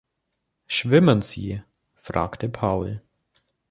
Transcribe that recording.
„Schwimmen Sie?“, fragte Paul.